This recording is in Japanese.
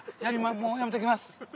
もうやめときます。